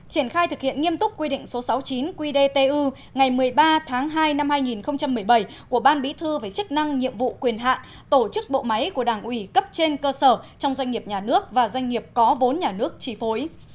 triển khai thực hiện nghiêm túc quy định số sáu mươi chín qdtu ngày một mươi ba tháng hai năm hai nghìn một mươi bảy của ban bí thư về chức năng nhiệm vụ quyền hạn tổ chức bộ máy của đảng ủy cấp trên cơ sở trong doanh nghiệp nhà nước và doanh nghiệp có vốn nhà nước chi phối